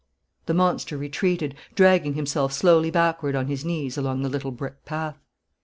The monster retreated, dragging himself slowly backward on his knees along the little brick path.